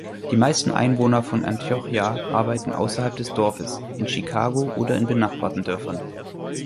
Die meisten Einwohner von Antiochia arbeiten außerhalb des Dorfes, in Chicago oder in benachbarten Dörfern.